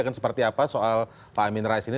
akan seperti apa soal pak amin rais ini